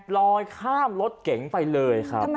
ลอยข้ามรถเก๋งไปเลยครับ